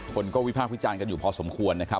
คนก็วิพากษ์วิจารณ์กันอยู่พอสมควรนะครับ